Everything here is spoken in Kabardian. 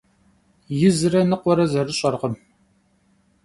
Yizre nıkhuere zerış'erkhım.